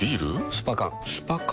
スパ缶スパ缶？